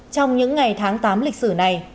trong những ngày tháng tám lịch sử này